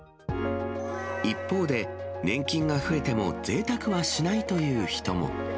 一方で、年金が増えてもぜいたくはしないという人も。